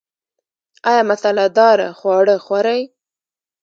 ایا مساله داره خواړه خورئ؟